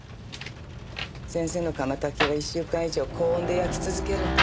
先生の窯焚きは１週間以上高温で焼き続けるんだ。